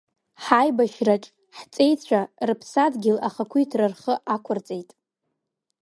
Ҳаибашьраҿ ҳҵеицәа рыԥсадгьыл ахақәиҭра рхы ақәырҵеит.